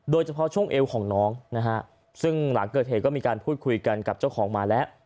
โดยเฉพาะช่วงเอวของน้องนะฮะซึ่งหลังเกิดเหตุก็มีการพูดคุยกันกับเจ้าของหมาแล้ว